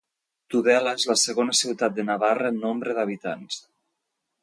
Tudela és la segona ciutat de Navarra en nombre d'habitants.